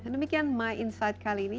demikian my insight kali ini